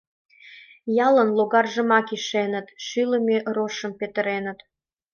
Ялын логаржымак ишеныт, шӱлымӧ рожшым петыреныт.